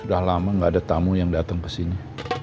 sudah lama gak ada tamu yang datang kesini